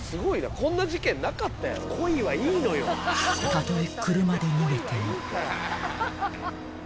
［たとえ］